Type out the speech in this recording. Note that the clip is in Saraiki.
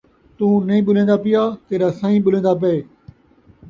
توں نئیں ٻولیندا پیا، تیݙا سئیں ٻولیندا پئے